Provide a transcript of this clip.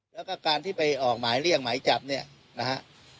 แล้วก็การที่ไปออกหมายเรียกหมายจับเนี่ยนะฮะ